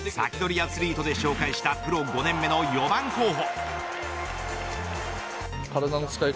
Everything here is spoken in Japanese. アツリートで紹介したプロ５年目の４番候補。